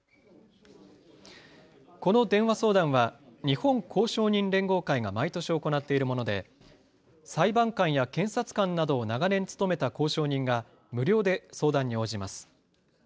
この電話相談は日本公証人連合会が毎年、行っているもので裁判官や検察官などを長年務めた公証人が無料で相談に応じます。